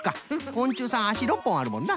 こんちゅうさんあし６ぽんあるもんな。